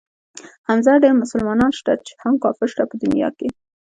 حمزه ډېر مسلمانان شته هم کافر شته په دنيا کښې.